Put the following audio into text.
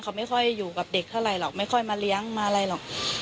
เขาไม่ค่อยอยู่กับเด็กเท่าไหร่หรอกไม่ค่อยมาเลี้ยงมาอะไรหรอก